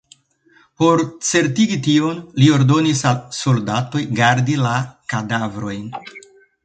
Por certigi tion, li ordonis al soldatoj gardi la kadavrojn.